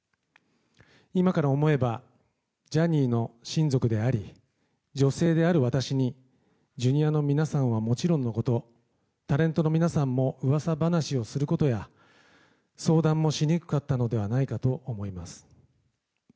今から思えばジャニーの親族であり女性である私にＪｒ．の皆さんはもちろんのことタレントの皆さんも噂話をすることや相談もしにくかったのではないかと思います。